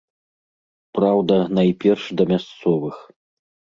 Праўда, найперш да мясцовых.